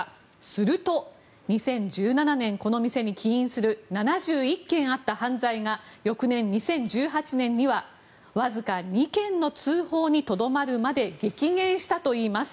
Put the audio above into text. すると、２０１７年この店に起因する７１件あった犯罪が翌年２０１８年にはわずか２件の通報にとどまるまで激減したといいます。